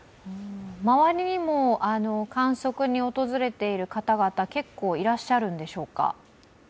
周りにも観測に訪れている方々、結構いらっしゃるんでしょうか。